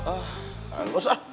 ah halus ah